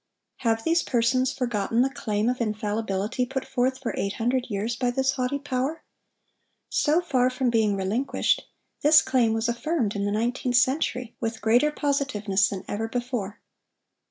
Have these persons forgotten the claim of infallibility put forth for eight hundred years by this haughty power? So far from being relinquished, this claim was affirmed in the nineteenth century with greater positiveness than ever before.